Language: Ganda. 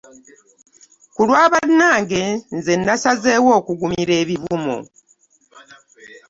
Ku lwa bannange nze nasazeewo okugumira ebivumo.